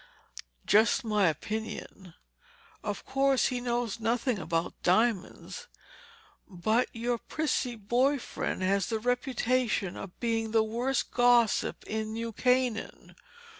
"Just my opinion. Of course he knows nothing about the diamonds. But your prissy boy friend has the reputation of being the worst gossip in New Canaan.